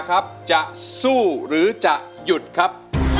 ครับจะสู้หรือจะหยุดครับ